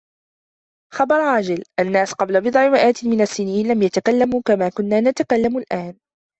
خبر عاجل: الناس قبل بضع مئات من السنين لم يتكلموا كما نتكلم الآن.